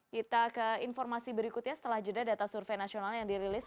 kita ke informasi berikutnya setelah jeda data survei nasional yang dirilis